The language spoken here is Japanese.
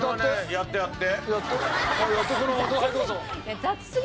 やってやって。